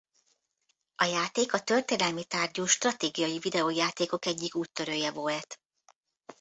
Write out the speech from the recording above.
A játék a történelmi tárgyú stratégiai videójátékok egyik úttörője volt.